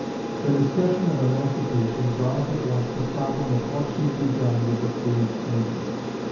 The discussion of Emancipation brought up at once the problem of what should be done with the freed negroes.